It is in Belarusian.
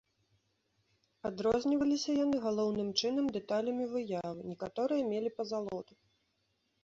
Адрозніваліся яны, галоўным чынам, дэталямі выявы, некаторыя мелі пазалоту.